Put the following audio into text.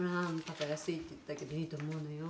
パパ安いって言ったけどいいと思うのよ。